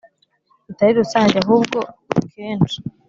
, kitari rusange ahubwo kenshi